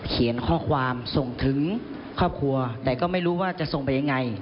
เขียนข้อความส่งถึงครอบครัวแต่ก็ไม่รู้ว่าจะส่งไปยังไง